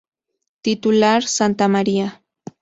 Titular: Santa María.